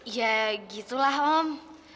ya gitulah om